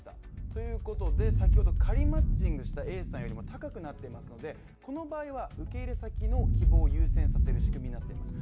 ということで先ほど仮マッチングしたＡさんよりも高くなっているのでこの場合は受け入れ先の希望を優先させる仕組みになっています。